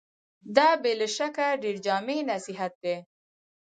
دا بې له شکه ډېر جامع نصيحت دی.